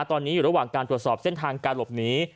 ตอนนี้อยู่ระหว่างการตรวจสอบเส้นทางการหลบหนี